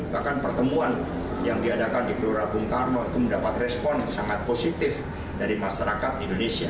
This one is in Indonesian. bahkan pertemuan yang diadakan di gelora bung karno itu mendapat respon sangat positif dari masyarakat indonesia